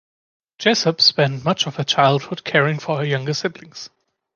Jessop spent much of her childhood caring for her younger siblings.